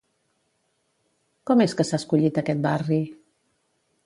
Com és que s'ha escollit aquest barri?